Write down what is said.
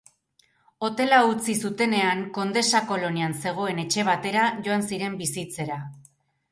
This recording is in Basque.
Hotela utzi zutenean Condesa kolonian zegoen etxe batera joan ziren bizitzera.